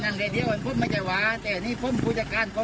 แต่อันนี้ผมผู้จัดการเขาสร้างงานมาเลยว่าขัดน้อยเดี๋ยวว่าเล่นว่าเท็กซี่มาเฟียร์